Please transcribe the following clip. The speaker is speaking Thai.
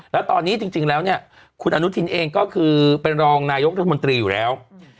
แล้วตอนนี้จริงแล้วเนี่ยคุณอนุทินเองก็คือเป็นรองนายกรัฐมนตรีอยู่แล้ว